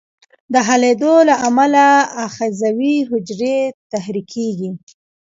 د حلېدو له امله آخذوي حجرې تحریکیږي.